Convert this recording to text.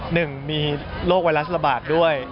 หนึ่งมีโรคไวรัสระบาดด้วย